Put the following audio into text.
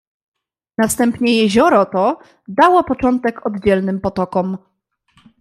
"Następnie jezioro to dało początek oddzielnym potokom."